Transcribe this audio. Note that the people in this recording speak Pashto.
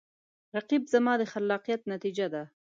رقیب زما د خلاقیت نتیجه ده